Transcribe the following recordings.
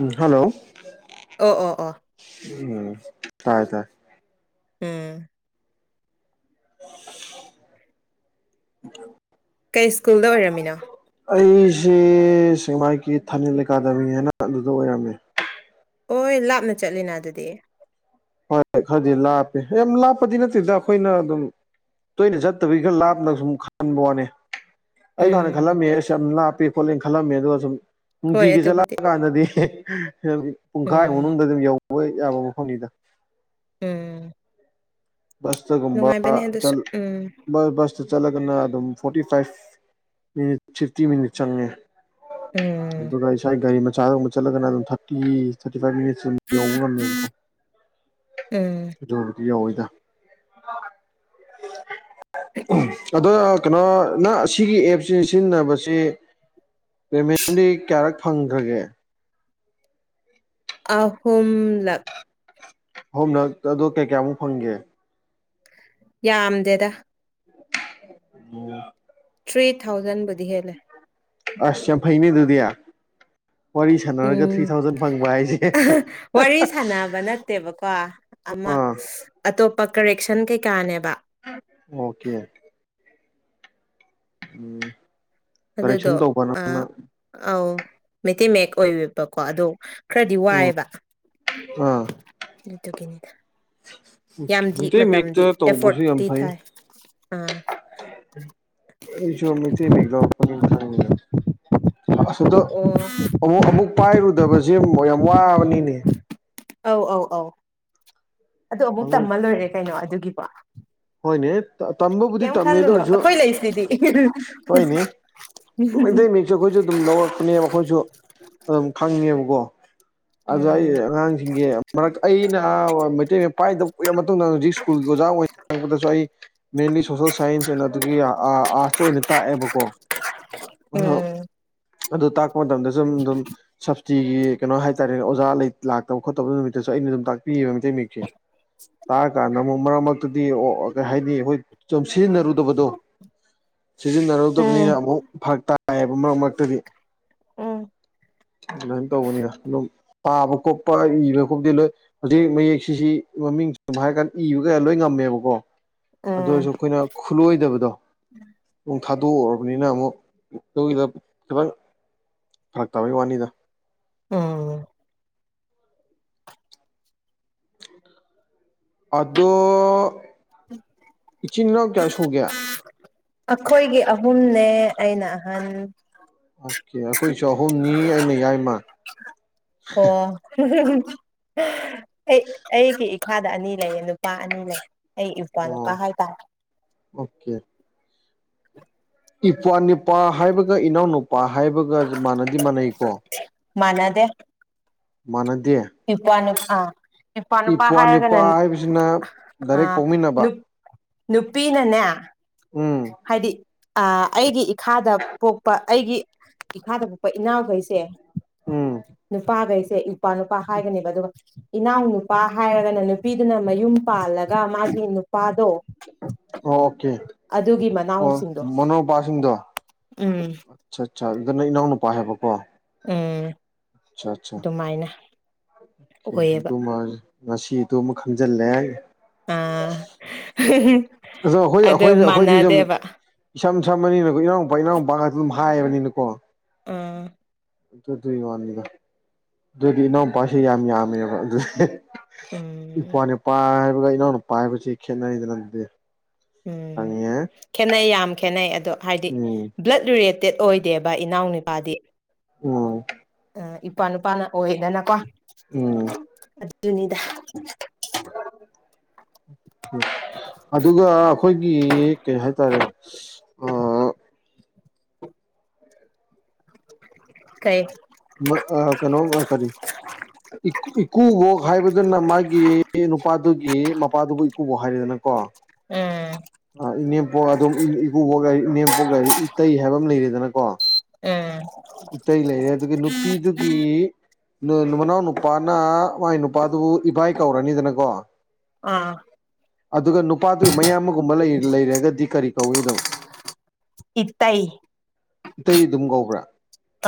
ꯎꯝ hello ꯑꯣ ꯑꯣ ꯑꯣ ꯎꯝ ꯇꯥꯏ ꯇꯥꯏ ꯎꯝ ꯀꯩ ꯁ꯭ꯀꯨꯜꯗ ꯑꯣꯏꯔꯝꯃꯤꯅꯣ [inaudible] ꯑ ꯑꯁꯤ ꯁꯃꯥꯏꯒꯤ ꯊꯥꯅꯤꯜ ꯑꯦꯀꯥꯗꯃꯤ ꯍꯥꯏꯅ ꯑꯗꯨꯗ ꯑꯣꯏꯔꯝꯃꯤ ꯍꯣꯏ ꯂꯥꯞꯅ ꯆꯠꯂꯤꯅ ꯑꯗꯨꯗꯤ ꯍꯣꯏ ꯈꯔꯗꯤ ꯂꯥꯞꯄꯤꯦ ꯑ ꯂꯥꯞꯄꯗꯤ ꯅꯠꯇꯦꯗ ꯑꯩꯈꯣꯏꯅ ꯑꯗꯨꯝ ꯇꯣꯏꯅ ꯆꯠꯇꯕꯒꯤ ꯈꯔ ꯂꯥꯞꯅ ꯁꯨꯝ ꯈꯟꯕ ꯋꯥꯅꯤ ꯑꯩ ꯍꯥꯟꯅ ꯎꯝ ꯈꯜꯂꯝꯃꯦ ꯑꯁꯝ ꯂꯥꯞꯄꯦ ꯈꯣꯠꯂꯦꯅ ꯈꯜꯂꯝꯃꯦ ꯑꯗꯨꯒ ꯁꯨꯝ ꯍꯣꯏ ꯅꯨꯡꯇꯤꯒꯤ ꯑꯗꯨꯕꯨꯗꯤ ꯆꯠꯂꯛꯑ ꯀꯥꯟꯗꯗꯤ ꯄꯨꯡꯈꯥꯏ ꯎꯝ ꯃꯅꯨꯡꯗ ꯑꯗꯨꯝ ꯌꯧꯕ ꯌꯥꯕ ꯃꯐꯝꯅꯤꯗ ꯎꯝ ꯁ ꯇ ꯀꯨꯝꯕ ꯅꯨꯡꯉꯥꯏꯕꯅꯦ ꯑꯗꯨꯁꯨ ꯆꯁ ꯎꯝ ꯁꯤꯗ ꯆꯠꯂꯒꯅ ꯑꯗꯨꯝ forty five minute fifty minute ꯆꯪꯉꯦ ꯎꯝ ꯑꯗꯨꯒꯒꯥ ꯁ꯭ꯋꯥꯏ ꯒꯥꯔꯤ ꯃꯆꯥ ꯆꯠꯂꯒꯅ ꯑꯗꯨꯝ ꯊꯥꯔꯇꯤ ꯊꯥꯔꯇꯤ ꯐꯥꯏꯚ ꯃꯤ ꯌꯧꯕ ꯉꯝꯃꯦꯕꯀꯣ ꯎꯝ ꯑꯗꯨ ꯑꯣꯏꯕꯨꯗꯤ ꯌꯥꯎꯋꯤꯗ ꯑꯗꯣ ꯀꯩꯅꯣ ꯅ ꯑꯁꯤꯒꯤꯒꯤ ꯑꯦꯞꯁꯤ ꯁꯤꯖꯤꯟꯅꯕꯁꯤ ꯄꯦꯃꯦꯟꯗꯤ ꯀꯌꯥꯔꯛ ꯐꯪꯈ꯭ꯔꯒꯦ ꯑꯍꯨꯝꯂ ꯑꯣꯝꯅ ꯑꯗꯣ ꯀꯩ ꯀꯌꯥꯃꯨꯛ ꯐꯪꯒꯦ ꯌꯥꯝꯗꯦꯗ ꯑꯣ ꯊ꯭ꯔꯤ ꯊꯥꯎꯖꯟꯕꯨꯗꯤ ꯍꯦꯜꯂꯦ ꯑꯁ ꯐꯩꯅꯤꯗꯨꯗꯤꯌꯥ ꯋꯥꯔꯤ ꯁꯥꯟꯅꯔꯒ ꯊ꯭ꯔꯤ ꯎꯝ ꯊꯥꯎꯖꯟ ꯐꯪꯕ ꯍꯥꯏꯁꯦ ꯋꯥꯔꯤ ꯁꯥꯟꯅꯕ ꯅꯠꯇꯦꯕꯀꯣ ꯑꯃ ꯑꯥ ꯑꯇꯣꯞꯄ ꯀꯔꯦꯛꯁꯟ ꯀꯩꯀꯥꯅꯦꯕ ꯑꯣꯀꯦ ꯎꯝ ꯑꯗꯨꯗꯣ ꯀꯔꯦꯛꯁꯟ ꯇꯧꯕ ꯅꯪꯅ ꯑꯥꯎ ꯃꯇꯩꯤ ꯃꯌꯦꯛ ꯑꯣꯏꯕꯀꯣ ꯑꯗꯨ ꯈꯔꯗꯤ ꯎꯝ ꯋꯥꯏꯑꯦꯕ ꯑꯥ ꯑꯗꯨꯠꯇꯒꯤꯅꯤꯗ ꯌꯥꯝꯗꯤ ꯃꯩꯇꯩ ꯃꯇꯝꯗꯤ ꯃꯌꯦꯛꯇ ꯇꯧꯕꯁꯨ ꯑꯦꯐꯣꯔꯠꯇꯇꯤ ꯊꯥꯏ ꯑꯥ ꯑꯩ ꯆꯃꯤꯇ ꯃꯤꯒꯂꯔ ꯐ ꯊꯔꯂ ꯑꯗ ꯑꯣ ꯑꯃꯨꯛ ꯑꯃꯨꯛ ꯄꯥꯏꯔꯨꯗꯕꯁꯦ ꯌꯥꯝ ꯋꯥꯕꯅꯤꯅꯦ ꯑꯧ ꯑꯧ ꯑꯧ ꯑꯗꯨꯣ ꯑꯃꯨꯛ ꯇꯝꯃ ꯂꯣꯏꯔꯦ ꯀꯩꯅꯣ ꯑꯗꯨꯒꯤꯕꯣ ꯍꯣꯏꯅꯦ ꯇꯝꯕꯕꯨꯗꯤ ꯀꯃ ꯇꯝꯃꯦ ꯈꯂꯨ ꯑꯗꯨ ꯅ ꯑꯣꯏꯔꯁꯨ ꯀꯣꯏ ꯂꯩ ꯏꯁꯤꯗꯤ ꯃꯇꯩ ꯃꯌꯦꯛꯁꯨ ꯑꯩꯈꯣꯏꯁꯨ ꯑꯗꯨꯝ ꯂꯧꯔꯛꯄꯅꯦꯕ ꯑꯩꯈꯣꯏꯁꯨ ꯑꯗꯨꯝ ꯈꯪꯉꯦꯕ ꯑꯗ ꯑꯩ ꯎꯝ ꯑꯉꯥꯡꯁꯤꯡꯒꯤꯁ ꯃꯔ ꯑꯩꯅ ꯃꯩꯇꯩ ꯃ ꯄꯥꯏꯗ ꯎꯏꯔ ꯃꯇꯨꯡꯗ ꯍꯧꯖꯤꯛ ꯁ꯭ꯀꯨꯜꯒꯤ ꯑꯣꯖꯥ ꯪꯗꯁꯨ ꯑꯩ ꯃꯦꯟꯂꯤ ꯁꯣꯁꯦꯜ ꯁꯥꯏꯟꯁ ꯑꯦꯟ ꯑꯗꯨꯒꯤ ꯑꯥꯔꯠꯁꯇ ꯑꯣꯏꯅ ꯇꯥꯛꯑꯦꯕꯀꯣ ꯑꯗꯣ ꯎꯝ ꯑꯗꯨ ꯇꯥꯛꯄ ꯃꯇꯝꯗ ꯁꯨꯝ ꯑꯗꯨꯝ ꯁꯞꯇꯤꯒꯤ ꯀꯩꯅꯣ ꯍꯥꯏꯇꯥꯔꯦꯅꯦ ꯑꯣꯖꯥ ꯂꯥꯛꯇꯕ ꯈꯣꯠꯇꯕ ꯅꯨꯃꯤꯠꯇ ꯁ ꯑꯩꯅ ꯑꯗꯨꯝ ꯇꯥꯛꯄꯤꯌꯦꯕ ꯃꯩꯇꯩ ꯃꯌꯦꯛꯁꯦ ꯇꯥꯛꯔꯀꯥꯟꯗ ꯑꯃꯨꯛ ꯃꯔꯛ ꯗꯤ ꯀꯩ ꯍꯥꯏꯅꯤ ꯑꯩꯈꯣꯏ ꯁꯨꯝ ꯁꯤꯖꯤꯟꯅꯔꯨꯗꯕꯗꯣ ꯎꯝ ꯁꯤꯖꯤꯟꯅꯔꯨꯗꯕꯅꯤꯅ ꯑꯃꯨꯛ ꯐꯛ ꯇꯥꯏ ꯍꯥꯏꯕ ꯃꯔꯛ ꯃꯔꯛꯇꯗꯤ [inaudible] ꯑꯗꯨꯃꯥꯏꯅ ꯇꯧꯕꯅꯤꯅ ꯑꯗꯨꯝ ꯇꯥꯕ ꯈꯣꯠꯄ ꯏꯕ ꯈꯣꯠꯇꯦ ꯂꯣꯏ ꯍꯧꯖꯤꯛ ꯃꯌꯦꯛꯁꯤꯁꯤ ꯃꯃꯤꯡ ꯁꯨꯝ ꯍꯥꯏꯔ ꯀꯥꯟꯗ ꯏꯕ ꯀꯩ ꯂꯣꯏ ꯉꯝꯃꯦꯕꯀꯣ ꯑꯗꯨ ꯑꯣꯏꯔꯁꯨ ꯑꯩꯈꯣꯏꯅ ꯈꯨꯠꯂꯣꯏꯗꯕꯗꯣ ꯅ ꯊꯥꯗꯣꯛꯎꯔꯕꯅꯤꯅ ꯑꯃꯨꯛ ꯑꯗꯨꯒꯤꯗ ꯈꯤꯇꯪ ꯐꯔꯛ ꯇꯕ ꯋꯥꯅꯤꯗ ꯎꯝ ꯑꯗꯣ ꯏꯆꯤꯟ ꯏꯅꯥꯎ ꯀꯌꯥ ꯁꯨꯒꯦ ꯑꯩꯈꯣꯏꯒꯤ ꯑꯍꯨꯝꯅꯦ ꯑꯩꯅ ꯑꯍꯟ ꯑꯣꯀꯦ ꯑꯩꯈꯣꯏꯁꯨ ꯑꯍꯨꯝꯅꯤ ꯑꯩꯅ ꯌꯥꯏꯃ ꯑꯣ ꯑꯩ ꯑꯩꯒꯤ ꯏꯈꯥꯗ ꯑꯅꯤ ꯂꯩꯌꯦ ꯅꯨꯄꯥ ꯑꯅꯤ ꯂꯩ ꯑꯩ ꯏꯐꯥꯜꯨ ꯀ ꯑꯣ ꯍꯥꯏ ꯇꯥ ꯑꯣꯀꯦ ꯏꯄ꯭ꯋꯥꯅꯤꯄꯥ ꯍꯥꯏꯕꯒ ꯏꯅꯥꯎꯅꯨꯄꯥ ꯍꯥꯏꯕꯒ ꯃꯥꯟꯅꯗꯤ ꯃꯥꯟꯅꯩꯀꯣ ꯗꯦ ꯃꯥꯟꯅꯗꯦ ꯏꯄꯅ ꯑꯥ ꯅꯨꯄꯥ ꯅꯨꯄꯥ ꯏꯄ꯭ꯋꯥ ꯍꯥꯏꯔꯒꯅ ꯅꯤꯄꯥ ꯍꯥꯏꯕꯁꯤꯅ ꯑ ꯗꯥꯏꯔꯦꯛ ꯅꯨ ꯄꯣꯛꯃꯤꯟꯅꯕ ꯅꯨꯄꯤꯅꯅꯦ ꯎꯝ ꯍꯥꯏꯗꯤ ꯑꯩꯒꯤ ꯏꯈꯥꯗ ꯄꯣꯛꯄ ꯑꯩꯒꯤ ꯏꯈꯥꯗ ꯄꯣꯛꯄ ꯏꯅꯥꯎꯈꯩꯁꯦ ꯎꯝ ꯅꯨꯄꯥꯈꯩꯁꯦ ꯅꯨꯄꯥ ꯅꯨ ꯅꯨꯄꯥ ꯍꯥꯏꯒꯅꯦꯕ ꯑꯗꯨꯒ ꯏꯅꯥꯎ ꯅꯨꯄꯥ ꯍꯥꯏꯔꯒꯅ ꯅꯨꯄꯤꯗꯨꯅ ꯃꯌꯨꯝ ꯄꯥꯜꯂꯒ ꯃꯥꯒꯤ ꯅꯨꯄꯥ ꯑꯗꯣ ꯑꯣ ꯑꯣꯀꯦ ꯑꯣ ꯃꯅꯥꯎꯁꯤꯡꯗꯣ ꯃꯅꯣꯄꯥꯁꯤꯡꯗꯣ ꯎꯝ ꯑꯆꯥ ꯑꯗꯨꯗ ꯅ ꯏꯅꯥꯎ ꯅꯨꯄꯥ ꯍꯥꯏꯕꯀꯣ ꯑꯦ ꯑꯆꯥ ꯑꯆꯥ ꯑꯣꯏꯌꯦꯕ ꯇ ꯃꯥ ꯉꯁꯤꯗꯨ ꯑꯃꯨꯛ ꯈꯪꯖꯤꯜꯂꯦ ꯑꯣ ꯑꯥ ꯑꯩꯈꯣꯏ ꯑꯗꯨ ꯑꯩꯈꯣꯏꯅ ꯑꯩꯈꯣꯏꯗꯤ ꯁꯨꯝ ꯃꯥꯟꯅꯗꯦꯕ ꯏꯁꯝ ꯁꯝꯃꯅꯤꯅꯀꯣ ꯏꯅꯥꯎꯨꯄꯥ ꯏꯅꯥꯎ ꯅꯨꯄꯥ ꯉꯥꯛꯇ ꯑꯗꯨꯝ ꯍꯥꯏꯕꯅꯤꯅꯀꯣ ꯑꯥ ꯑꯗꯨ ꯑꯗꯨꯒꯤ ꯋꯥꯅꯤꯗ ꯑꯗꯨꯗꯤ ꯏꯅꯥꯎꯄꯥꯁꯤ ꯌꯥꯝ ꯌꯥꯝꯃꯦꯕ ꯑꯗꯨꯗꯤ ꯏꯄꯥ ꯎꯝ ꯅꯨꯄꯥ ꯍꯥꯏꯕꯒ ꯏꯅꯥꯎ ꯅꯨꯄꯥ ꯍꯥꯏꯕꯁꯤ ꯈꯦꯠꯅꯔꯤꯗꯅꯠꯇꯦ ꯎꯝ ꯈꯦꯠꯅꯩ ꯌꯥꯝ ꯈꯦꯠꯅꯩ ꯑꯗꯣ ꯍꯥꯏꯗꯤ ꯎꯝ ꯕ꯭ꯂꯠ ꯔꯦꯠ ꯗꯦꯠ ꯑꯣꯏꯗꯦꯕ ꯏꯅꯥꯎ ꯅꯨꯅꯤꯄꯥꯗꯤ ꯑꯣ ꯏꯄꯥ ꯅꯨꯄꯥꯅ ꯑꯣꯏꯌꯦꯗꯅꯀꯣ ꯎꯝ ꯖꯨꯅꯤꯗꯥ ꯑꯗꯨꯒ ꯑꯩꯈꯣꯏ ꯒꯤ ꯀꯩ ꯍꯥꯏꯇꯥꯔꯦ ꯑ ꯀꯩ ꯀꯩꯅꯣꯝ ꯀꯔꯤ ꯏꯀꯨꯕꯣꯛ ꯑꯗꯨꯒꯤ ꯃꯄꯥꯗꯨꯕꯨ ꯏꯀꯨꯕ ꯍꯥꯏꯔꯦꯗꯅꯀꯣ ꯎ ꯑ ꯏꯅꯦꯝꯄꯣꯛ ꯑꯗꯨꯝ ꯏꯄꯨꯕꯣꯛꯔꯤ ꯏꯅꯦꯝꯄꯣꯛ ꯂꯩꯔꯤ ꯏꯇꯩ ꯍꯥꯏꯕ ꯑꯃ ꯂꯩꯔꯦꯗꯅꯀꯣ ꯎꯝ ꯏꯇꯩ ꯂꯩꯔꯦ ꯑꯗꯨꯒꯒꯤ ꯅꯨꯄꯤꯗꯨꯒꯤ ꯅꯨ ꯃꯅꯥꯎ ꯅꯨꯄꯥꯅ ꯃꯥꯒꯤ ꯅꯨꯄꯥꯗꯨꯕꯨ ꯏꯚꯏ ꯀꯧꯔꯅꯤꯗꯅꯀꯣ ꯑꯥ ꯑꯗꯨꯒ ꯅꯨꯄꯥꯗꯨꯒꯤ ꯃꯌꯥꯝꯃ ꯂꯩꯔꯒꯗꯤ ꯀꯔꯤ ꯀꯧꯏꯅꯣ ꯏꯇꯩ ꯏꯇꯩ ꯑꯗꯨꯝ ꯀꯧꯕꯧꯕ꯭ꯔꯥ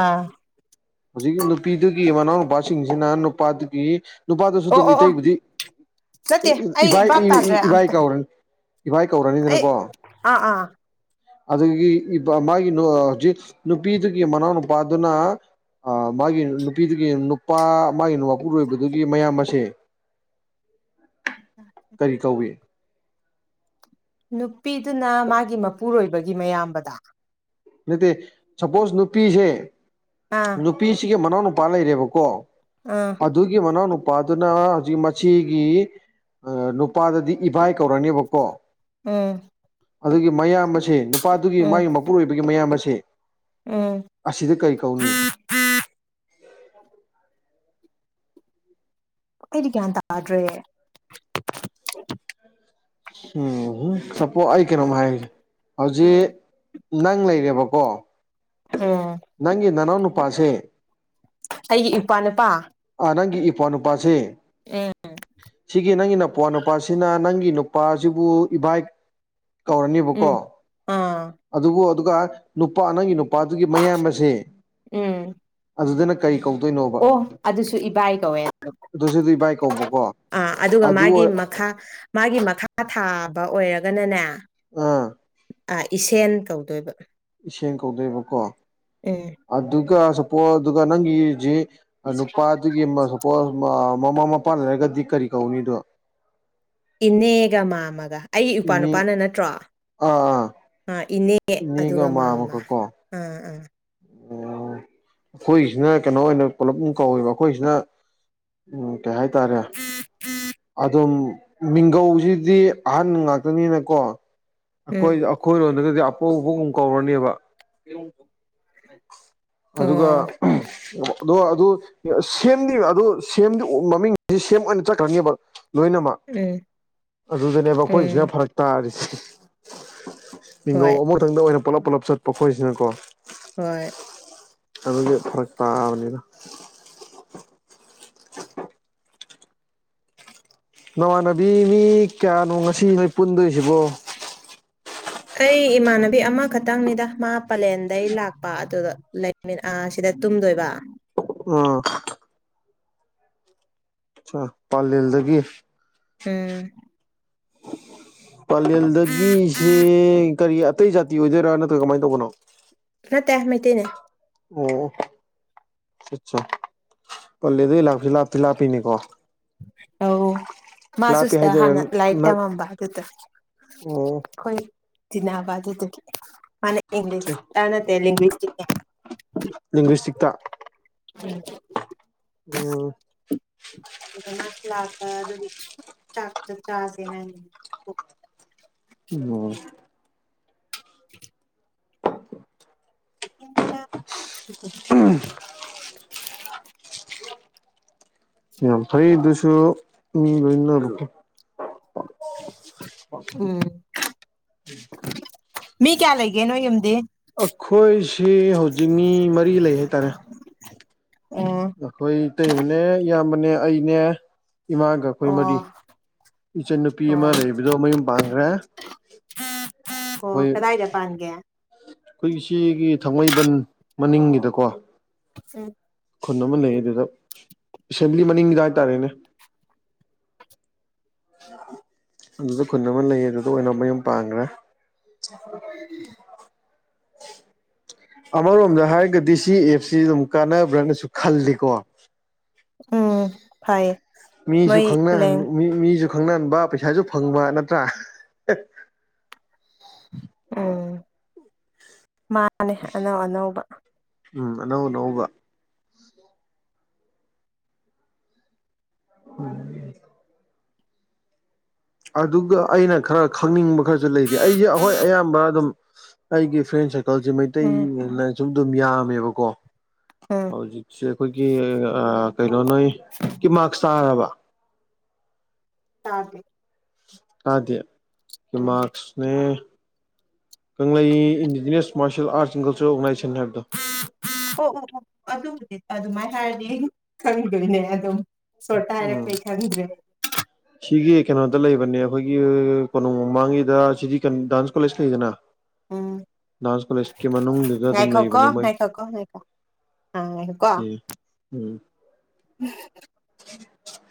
ꯑꯥ ꯍꯧꯖꯤꯛ ꯅꯨꯄꯤꯗꯨꯒꯤ ꯃꯅꯥꯎ ꯅꯨꯄꯥꯁꯤꯡꯁꯤꯅ ꯅꯨꯄꯥꯗꯨꯒꯤ ꯅꯨꯄꯥꯗꯨꯁꯨ ꯑꯣ ꯑꯗꯨꯝ ꯑꯣ ꯑꯣ ꯏꯇꯩꯕꯨꯗꯤ ꯏ ꯅꯠꯇꯦ ꯑꯩ ꯚꯥꯞ ꯇꯥꯗ꯭ꯔꯦ ꯏꯕꯥꯏ ꯑꯝꯇ ꯀꯧꯔꯅꯤ ꯏꯚꯥꯏ ꯑꯩ ꯀꯧꯔꯅꯤꯗꯅꯀꯣ ꯑꯥ ꯑꯥ ꯑꯗꯨꯗꯒꯤ ꯃꯥꯒꯤ ꯅꯨꯄꯤꯗꯨꯒꯤ ꯃꯅꯥꯎ ꯅꯨꯄꯥꯗꯨꯅ ꯑ ꯃꯥꯒꯤ ꯅꯨꯄꯤꯗꯨꯒꯤ ꯅꯨꯄꯥ ꯃꯥꯒꯤ ꯅꯨ ꯃꯄꯨꯔꯣꯏꯕꯗꯨꯒꯤ ꯃꯌꯥꯝ ꯑꯁꯦ ꯀꯧꯏ ꯅꯨꯄꯤꯗꯨꯅ ꯃꯥꯒꯤ ꯃꯄꯨꯔꯣꯏꯕꯒꯤ ꯃꯌꯥꯝꯕꯗ ꯅꯠꯇꯦ ꯁꯄꯣꯁ ꯅꯨꯄꯤꯁꯦ ꯑꯥ ꯅꯨꯄꯤꯁꯤꯒꯤ ꯃꯅꯥꯎ ꯅꯨꯨꯄꯥ ꯂꯩꯔꯦꯕꯀꯣ ꯑꯥ ꯑꯗꯨ ꯑꯗꯨꯒꯤ ꯃꯅꯥꯅ ꯅꯨꯄꯥꯗꯨꯅ ꯍꯧꯖꯤꯛ ꯃꯁꯤꯒꯤ ꯅꯨꯄꯥꯗꯗꯤ ꯏꯚꯥꯏ ꯀꯧꯔꯅꯦꯕꯀꯣ ꯎꯝ ꯑꯗꯨꯒꯤ ꯃꯌꯥꯝ ꯑꯁꯦ ꯅꯨꯄꯥꯗꯨꯒꯤ ꯎꯝ ꯃꯥꯒꯤ ꯃꯄꯨꯔꯣꯏꯕꯒꯤ ꯃꯌꯥꯝ ꯑꯁꯦ ꯎꯝ ꯑꯁꯤꯗ ꯀꯔꯤ ꯀꯧꯅꯤ ꯏ ꯀꯥꯟ ꯇꯥꯔꯔꯦ ꯎꯝ ꯁꯄꯣ ꯑꯩ ꯀꯅꯥꯝ ꯍꯥꯏꯖꯤ ꯎꯝ ꯅꯪ ꯂꯩꯔꯦꯕꯀꯣ ꯎꯝ ꯅꯪꯒꯤ ꯅꯅꯥꯎ ꯅꯨꯄꯥꯁꯦ ꯑꯩꯒꯤ ꯏꯄꯥ ꯅꯨꯄꯥ ꯅꯪ ꯏꯄ ꯅꯨꯄꯥ ꯎꯝ ꯅꯄꯥ ꯅꯨꯄꯥ ꯅꯪ ꯑꯩꯒꯤ ꯅꯨꯄꯥꯁꯤꯕꯨ ꯏꯚꯥꯏ ꯀꯧꯔꯅꯦꯕꯀꯣ ꯎꯝ ꯑꯥ ꯑꯗꯨꯕꯨ ꯑꯗꯨꯒ ꯅꯨꯄꯥ ꯅꯪꯒꯤ ꯅꯨꯄꯥꯗꯨꯒꯤ ꯃꯌꯥꯝ ꯑꯁꯦ ꯎꯝ ꯑꯗꯨꯗꯅ ꯀꯔꯤ ꯀꯧꯗꯣꯏꯅꯣꯕ ꯑꯣ ꯑꯗꯨꯁꯨ ꯏꯕꯥꯏ ꯀꯧꯋꯦ ꯑꯗꯨꯁꯨꯗꯤ ꯏꯕꯥꯏ ꯀꯧꯕꯀꯣ ꯑꯥ ꯑꯗꯨꯒ ꯑꯗꯨ ꯃꯥꯒꯤ ꯃꯈꯥ ꯃꯥꯒꯤ ꯃꯈꯥ ꯊꯥꯕ ꯑꯣꯏꯔꯒꯅꯅꯦ ꯑꯥ ꯑꯥ ꯏꯁꯦꯟ ꯀꯧꯗꯣꯏꯕ ꯏꯦꯡ ꯀꯧꯗꯣꯏꯕꯀꯣ ꯎꯝ ꯑꯗꯨꯒ ꯁꯄꯣꯁ ꯑꯗꯨꯒ ꯅꯪꯒꯤꯁꯤ ꯅꯨꯄꯥꯗꯨꯒꯤ ꯁꯄꯣꯁ ꯃꯃꯥ ꯃꯄꯥ ꯂꯩꯔꯒꯗꯤ ꯀꯔꯤ ꯀꯧꯅꯤꯗꯣ ꯏꯅꯦꯒ ꯃꯥꯃꯒ ꯑꯩꯒꯤ ꯏꯄꯥ ꯏꯅꯦ ꯅꯨꯄꯥꯅ ꯅꯠꯇ꯭ꯔꯣ ꯑ ꯑꯥ ꯑꯥ ꯏꯅꯦ ꯃꯤꯒ ꯑꯗꯨꯒ ꯃꯥꯃ ꯃꯥꯃꯒ ꯀꯣ ꯑꯥ ꯑꯥ ꯑꯣ ꯑꯩꯈꯣꯏꯒꯤꯁꯤꯅ ꯀꯩꯅꯣ ꯑꯣꯏꯅ ꯄꯨꯂꯞ ꯀꯧꯋꯦꯕ ꯑꯩꯈꯣꯏꯁꯤꯅ ꯎꯝ ꯀꯩ ꯍꯥꯏꯇꯥꯔꯦ ꯑꯗꯨꯝ ꯃꯤꯡꯒꯧꯁꯤꯗꯤ ꯑꯍꯟ ꯉꯥꯛꯇꯅꯤꯅꯀꯣ ꯎꯝ ꯑꯩꯈꯣꯏ ꯑꯩꯈꯣꯏꯔꯣꯝꯗꯒꯗꯤ ꯑꯄꯧꯕꯒꯨꯝ ꯀꯧꯔꯅꯦꯕ ꯑꯗꯨꯒ ꯑꯣ ꯑꯗꯣ ꯑꯗꯨ ꯁꯦꯝꯗꯤ ꯑꯗꯨ ꯁꯦꯝꯗꯤ ꯃꯃꯤꯡꯗꯤ ꯁꯦꯝ ꯑꯣꯏꯅ ꯆꯠꯈ꯭ꯔꯅꯦꯕ ꯂꯣꯏꯅꯃꯛ ꯎꯝ ꯑꯗꯨꯗꯅꯦꯕ ꯑꯩꯈꯣꯏꯁꯤꯅ ꯎꯝ ꯐꯔꯛ ꯇꯥꯔꯤꯁ ꯅꯤꯡꯒꯧ ꯍꯣꯏ ꯑꯃꯛꯇꯪꯗ ꯑꯣꯏꯅ ꯄꯨꯂꯞ ꯄꯨꯂꯞ ꯆꯠꯄ ꯈꯣꯏꯁꯤꯅꯀꯣ ꯍꯣꯏ ꯑꯗꯨꯒꯤ ꯐꯔꯛ ꯄꯥꯕꯅꯤꯗ ꯅꯃꯥꯟꯅꯕꯤ ꯃꯤ ꯀꯌꯥꯅꯣ ꯉꯁꯤ ꯅꯣꯏ ꯄꯨꯟꯗꯣꯏꯁꯤꯕꯣ ꯑꯩ ꯏꯃꯥꯟꯅꯕꯤ ꯑꯃꯈꯛꯇꯪꯅꯤꯗ ꯃꯥ ꯄꯂꯦꯟꯗꯒꯤꯩ ꯂꯥꯛꯄ ꯑꯗꯨꯗ ꯂꯩ ꯁꯤꯗ ꯇꯨꯝꯗꯣꯏꯕ ꯑꯣ ꯑꯆꯥ ꯄꯥꯜ ꯂꯖꯒ ꯎꯝ ꯄꯂꯦꯜꯗꯒꯤꯁꯦ ꯀꯔꯤ ꯑꯇꯩ ꯖꯥꯇꯤ ꯑꯣꯏꯗꯣꯏꯔꯥ ꯅꯠꯇ꯭ꯔꯒ ꯀꯃꯥꯏꯅ ꯇꯧꯕꯅꯣ ꯅ ꯇ ꯃꯇꯩꯅꯦ ꯑꯣ ꯑꯠꯆꯥ ꯄꯂꯦꯗ ꯂꯥꯛꯁꯤ ꯂꯥꯞꯇ ꯂꯥꯞꯄꯤꯅꯤꯀꯣ ꯑ ꯃꯥꯁꯨ ꯁꯤꯇ ꯍꯥꯏꯗꯣꯏꯔꯥ ꯍꯥꯟꯅ ꯂꯥꯏꯠ ꯅꯛ ꯇꯃꯝꯕ ꯑꯗꯨꯗ ꯑꯣ ꯑꯩꯈꯣꯏ ꯗꯤꯅꯥꯕꯥꯗꯨ ꯑꯗꯨꯗꯒꯤ ꯏꯪꯂꯤꯁ ꯇꯅ ꯏꯂꯤ ꯂꯤꯡꯒ꯭ꯋꯤꯁꯇꯤꯛꯇ ꯎꯝ ꯑꯣꯝ ꯑꯗꯨꯅꯤ ꯆꯥꯁꯦ ꯍꯥꯏꯅ ꯑꯣ [unintelligible] [unintelligible] [inaudible] ꯌꯥꯝ ꯐꯩ ꯏꯗꯁꯨ ꯎꯝ ꯂꯅ ꯎꯝ ꯃꯤ ꯀꯌꯥ ꯂꯩꯒꯦ ꯅꯣꯏ ꯌꯨꯝꯗꯤ ꯑꯩꯈꯣꯏꯁꯤ ꯍꯧꯖꯤꯛ ꯃꯤ ꯃꯔꯤ ꯂꯩ ꯍꯥꯏꯇꯥꯔꯦ ꯎꯝ ꯑꯩꯈꯣꯏꯇꯩꯩꯕꯅꯦ ꯏꯌꯥꯝꯕꯅꯦ ꯑꯩꯅꯦ ꯏꯃꯥꯒ ꯑꯩꯈꯣꯏ ꯃꯔꯤ ꯑꯣ ꯏꯆꯟꯟꯅꯨꯄꯤ ꯑꯃ ꯑꯣ ꯂꯩꯕꯗꯣ ꯃꯌꯨꯝ ꯄꯥꯟꯈ꯭ꯔꯦ ꯑꯣ ꯀꯗꯥꯏꯗ ꯄꯥꯟꯒꯦ ꯑꯩꯈꯣꯏꯒꯤ ꯁꯤꯒꯤ ꯊꯥꯡꯃꯩꯕꯟ ꯃꯅꯤꯡꯒꯤꯗꯀꯣ ꯈꯨꯟ ꯑꯃ ꯂꯩ ꯑꯗꯨꯗ ꯑꯦꯁꯦꯝꯕ꯭ꯂꯤ ꯃꯅꯤꯡꯗ ꯍꯥꯏꯇꯥꯔꯦꯅꯦ ꯑꯗꯨꯗ ꯈꯨꯟ ꯑꯃ ꯂꯩꯌꯦ ꯑꯗꯨꯗ ꯑꯣꯏꯅ ꯃꯌꯨꯝ ꯄꯥꯡꯈ꯭ꯔꯦ [unintelligible] ꯑꯃꯔꯣꯝꯗ ꯍꯥꯏꯔꯒꯗꯤ ꯁꯤ ꯑꯦꯞꯁꯤ ꯑꯗꯨꯝ ꯀꯥꯟꯅꯕ꯭ꯔꯅꯁꯨ ꯈꯜꯂꯤꯀꯣ ꯎꯝ ꯐꯥꯏꯌꯦ ꯃꯤꯁꯨ ꯈꯪꯅ ꯃꯤ ꯃꯤꯁꯨ ꯈꯪꯅꯍꯟꯕ ꯄꯩꯁꯥꯁꯨ ꯐꯪꯕ ꯅꯠꯇ꯭ꯔꯥ ꯎꯝ ꯃꯥꯅꯦ ꯑꯅꯧ ꯑꯅꯧꯕ ꯎꯝ ꯑꯅꯧ ꯑꯅꯧꯕ ꯍ [unintelligible] ꯑꯗꯨꯒ ꯑꯩꯅ ꯈꯔ ꯈꯪꯅꯤꯡꯕ ꯈꯔꯁꯨ ꯂꯩꯔꯤ ꯑꯩꯁꯦ ꯑꯩꯈꯣꯏ ꯑꯌꯥꯝꯕ ꯑꯗꯨꯝ ꯑꯩꯒꯤ ꯐ꯭ꯔꯦꯟ ꯁꯔꯀꯜꯁꯦ ꯎꯝ ꯃꯩꯇꯩꯅ ꯁꯨꯝ ꯑꯗꯨꯝ ꯌꯥꯝꯃꯦꯕꯀꯣ ꯎꯝ ꯍꯧꯖꯤꯛꯁꯦ ꯑꯩꯈꯣꯏꯒꯤ ꯀꯩꯅꯣ ꯅꯣꯏ ꯀꯤ ꯃꯔꯁ ꯇꯥꯔꯕ ꯊ ꯐꯦ [unintelligible] ꯀꯥꯗꯦ ꯀ ꯃꯥꯔꯛꯁꯅꯦ ꯀꯪꯂꯩ ꯏꯟꯗꯤꯖꯤꯅꯤꯌꯥꯁ ꯃꯥꯔꯁꯌꯦꯦꯜꯥꯔꯠꯁꯤꯡꯒꯜꯁꯨ ꯑꯣꯔꯒꯅꯥꯏꯖ ꯑꯣ ꯑꯣ ꯑꯣ ꯑꯗꯨꯕꯨꯗꯤ ꯑꯗꯨꯃꯥꯏ ꯍꯥꯏꯔꯗꯤ ꯈꯪꯗꯣꯏꯅꯦ ꯑꯗꯨꯝ ꯁꯣꯇ ꯍꯥꯏꯔ ꯎꯝ ꯄꯩ ꯈꯥꯒꯤꯖꯦ ꯁꯤꯒꯤ ꯀꯩꯅꯣꯗ ꯂꯩꯕꯅꯦ ꯑꯩꯈꯣꯏꯒꯤ ꯀꯣꯅꯨꯡ ꯃꯃꯥꯡꯒꯤꯗ ꯁꯤꯗꯤ ꯀ ꯗꯥꯟꯁ ꯀꯣꯂꯦꯖ ꯂꯩꯗꯅ ꯎꯝ ꯗꯥꯟꯁ ꯀꯣꯂꯦꯖꯀꯤ ꯃꯅꯨꯡꯗꯨꯗ ꯑꯗꯨꯝ ꯉꯥꯏꯈꯣꯀꯣ ꯂꯩꯕꯅꯦ ꯃꯣꯏ ꯉꯥꯏꯈꯣꯀꯣ ꯉꯥꯏꯈꯣ ꯑꯥ ꯀ ꯎꯝ ꯎꯝ ꯎꯝ